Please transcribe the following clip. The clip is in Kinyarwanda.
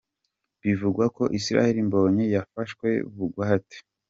Bivugwa ko Israel Mbonyi yafashwe bugwate.